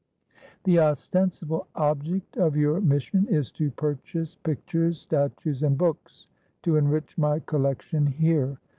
"The ostensible object of your mission is to purchase pictures, statues, and books, to enrich my collection here.